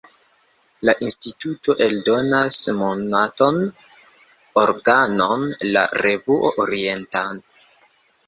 La instituto eldonas monatan organon "La Revuo Orienta".